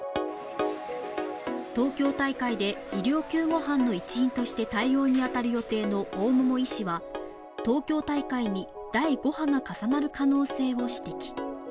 東京大会で医療救護班の一員として対応に当たる予定の大桃医師は、東京大会に第５波が重なる可能性を指摘。